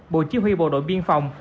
bộ chí huy bộ đội biên phòng